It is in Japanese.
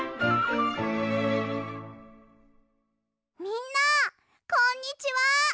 みんなこんにちは！